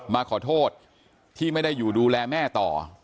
มาขอโทษที่ไม่ได้อยู่ดูแลแม่ต่อ